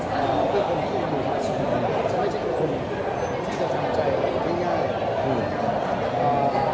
คุณต้องรู้ว่าจำนานชีวิตของผมและข้างในของเขาก็เยอะมาก